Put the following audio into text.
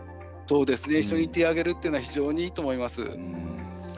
一緒に行ってあげるというのは非常にいいと思います。